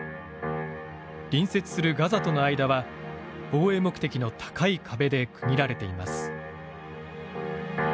隣接するガザとの間は防衛目的の高い壁で区切られています。